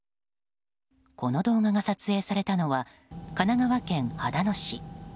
この動画が撮影されたのは神奈川県秦野市。